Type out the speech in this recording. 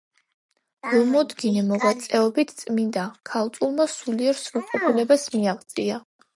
გულმოდგინე მოღვაწეობით წმინდა ქალწულმა სულიერ სრულყოფილებას მიაღწია.